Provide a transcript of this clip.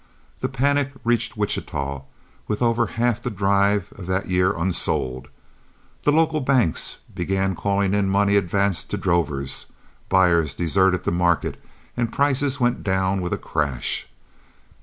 The panic reached Wichita with over half the drive of that year unsold. The local banks began calling in money advanced to drovers, buyers deserted the market, and prices went down with a crash.